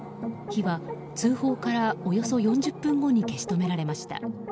火は通報からおよそ４０分後に消し止められました。